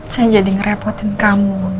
saya jadi ngerepotin kamu